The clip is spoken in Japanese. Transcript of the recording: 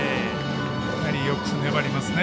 やはり、よく粘りますね